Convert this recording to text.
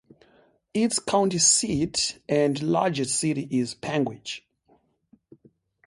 Its county seat and largest city is Panguitch.